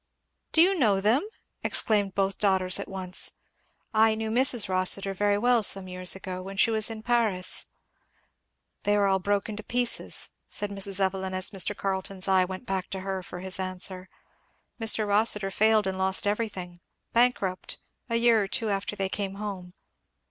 "Do you know them!" exclaimed both the daughters at once. "I knew Mrs. Rossitur very well some years ago, when she was in Paris." "They are all broken to pieces," said Mrs. Evelyn, as Mr. Carleton's eye went back to her for his answer; "Mr. Rossitur failed and lost everything bankrupt a year or two after they came home."